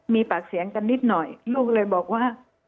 มีปากเสียงกันนิดหน่อยลูกเลยบอกว่า